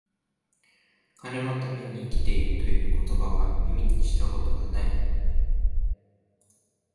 金のために生きている、という言葉は、耳にした事が無い